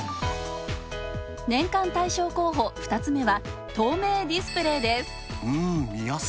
年間大賞候補、２つ目は透明ディスプレイです。